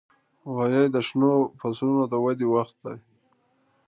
غویی د شنو فصلونو د ودې وخت وي.